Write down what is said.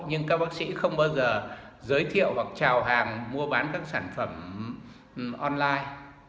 nhưng các bác sĩ không bao giờ giới thiệu hoặc trào hàng mua bán các sản phẩm online